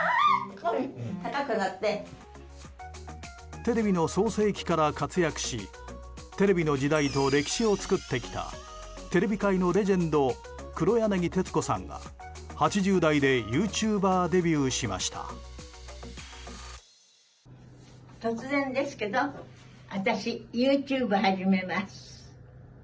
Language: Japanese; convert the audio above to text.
テレビの創成期から活躍しテレビの時代と歴史を作ってきたテレビ界のレジェンド黒柳徹子さんが８０代でユーチューバーデビューしました。